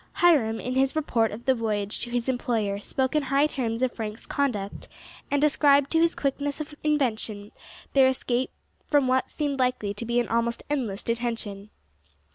Hiram, in his report of the voyage to his employer, spoke in high terms of Frank's conduct, and ascribed to his quickness of invention their escape from what seemed likely to be an almost endless detention.